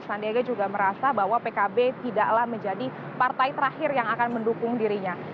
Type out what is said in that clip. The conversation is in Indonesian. sandiaga juga merasa bahwa pkb tidaklah menjadi partai terakhir yang akan mendukung dirinya